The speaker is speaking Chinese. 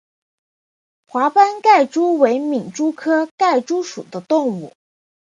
华斑盖蛛为皿蛛科盖蛛属的动物。